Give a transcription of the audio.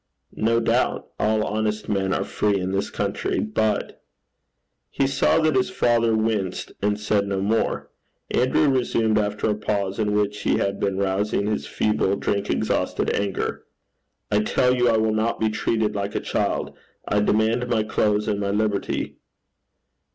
'No doubt. All honest men are free in this country. But ' He saw that his father winced, and said no more. Andrew resumed, after a pause in which he had been rousing his feeble drink exhausted anger, 'I tell you I will not be treated like a child. I demand my clothes and my liberty.'